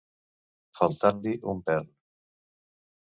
Faltar-li un pern.